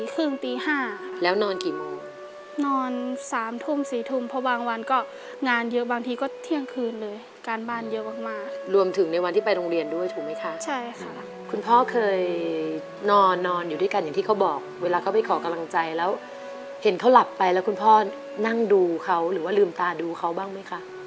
คุณพ่อเคยนอนอยู่ด้วยกันอย่างที่เขาบอกเวลาเขาไปขอกำลังใจแล้วเห็นเขาหลับไปแล้วคุณพ่อนั่งดูเขาหรือว่าลืมตาดูเขาบ้างไหมคะ